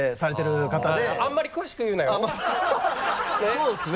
そうですね。